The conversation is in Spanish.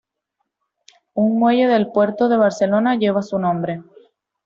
Un muelle del Puerto de Barcelona lleva su nombre.